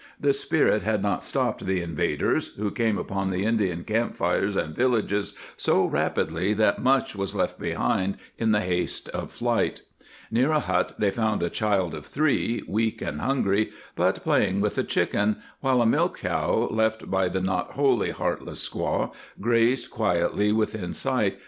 ^ The Spirit had not stopped the invaders, who came upon the Indian camp fires and villages so rapidly that much was left behind in the haste of flight. Near a hut they found a child of three, weak and hungry but playing with a chicken, while a milch cow, left by the not wholly heart less squaw, grazed quietly within sight, ready to 1 Thomas Grant's Journal ; in Historical Magazine, vol.